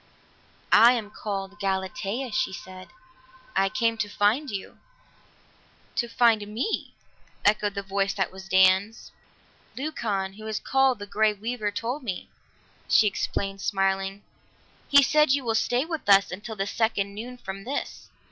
"I am called Galatea," she said. "I came to find you." "To find me?" echoed the voice that was Dan's. "Leucon, who is called the Grey Weaver, told me," she explained smiling. "He said you will stay with us until the second noon from this."